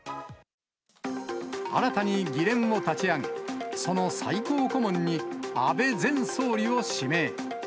新たに議連を立ち上げ、その最高顧問に安倍前総理を指名。